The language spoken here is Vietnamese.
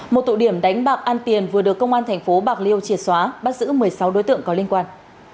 một tụ điểm đánh bạc an tiền vừa được công an thành phố bạc liêu triệt xóa bắt giữ một mươi sáu đối tượng có liên quan